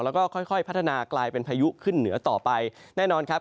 แล้วก็ค่อยค่อยพัฒนากลายเป็นพายุขึ้นเหนือต่อไปแน่นอนครับ